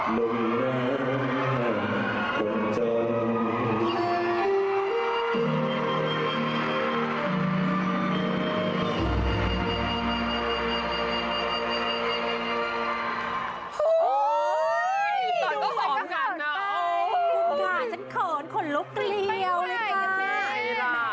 อุ้ยดูก่อนก็สองชั้นนะคุณค่ะฉันเขินขนลูกเกลียวเลยค่ะ